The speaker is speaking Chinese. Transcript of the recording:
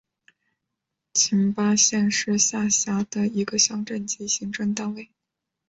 覃巴镇是下辖的一个乡镇级行政单位。